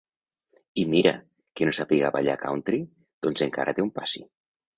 I mira, que no sàpiga ballar country, doncs encara té un passi.